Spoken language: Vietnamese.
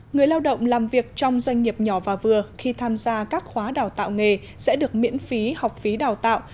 người lao động làm việc trong doanh nghiệp nhỏ và vừa khi tham gia các khóa đào tạo nghề sẽ được miễn phí học phí đào tạo